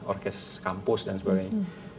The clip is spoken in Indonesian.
orkes kampus dan sebagainya